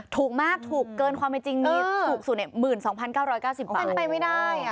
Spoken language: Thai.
พี่มิวมีปะอ๋อหรอพี่มิวมีใช่ไหมพี่มิวมี